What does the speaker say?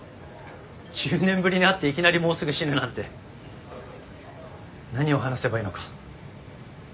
１０年ぶりに会っていきなりもうすぐ死ぬなんて何を話せばいいのか。